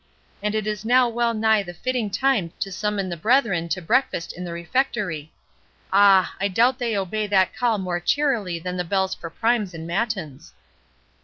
And it is now well nigh the fitting time to summon the brethren to breakfast in the refectory—Ah! I doubt they obey that call more cheerily than the bells for primes and matins."